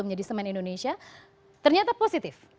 menjadi semen indonesia ternyata positif